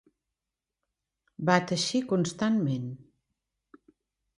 Va teixir constantment.